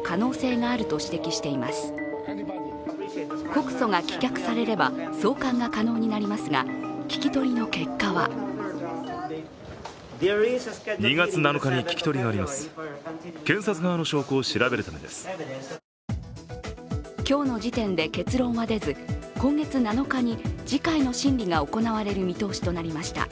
告訴が棄却されれば、送還が可能になりますが、聞き取りの結果は今日の時点で結論は出ず、今月７日に次回の審理が行われる見通しとなりました。